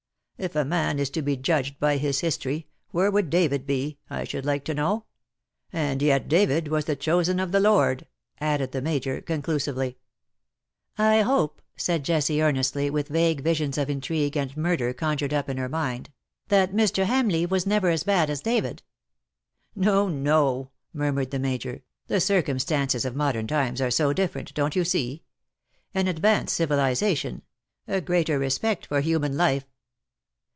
If a man is to be judged by his history, where would David be, I should like to know? and yet David was the chosen of the Lord V added the Major, conclusively. 17(5 IN SOCIETY. ^^ I liope/^ said Jessie, earnestly, witli vague visions of intrigue and murder conjured up in her mind, " that Mr. Hamleigh was never as bad as David/^ " No, no,^^ murmured the Major, '' the circum stances of modern times are so different, don^t you see ?— an advanced civiHzation — a greater respect for human life.